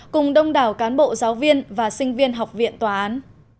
cùng đông đảo cán bộ giáo viên và sinh viên học viện tòa án